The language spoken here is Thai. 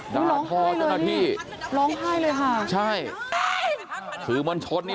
ด่าทอจนที่ล้อมไห้เลยฮะใช่คือมันชดนี่